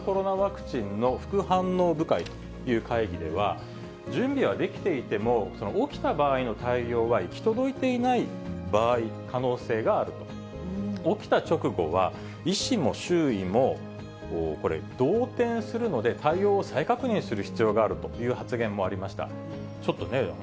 それから１１日の新型コロナワクチンの副反応部会という会議では、準備はできていても、起きた場合の対応は行き届いていない場合、可能性があると、起きた直後は、医師も周囲も、これ、動転するので対応を再確認する可能性があると発言もありました。